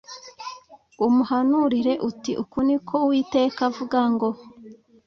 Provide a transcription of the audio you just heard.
umuhanurire uti uku ni ko uwiteka avuga ngo